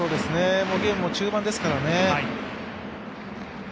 ゲームも中盤ですからね。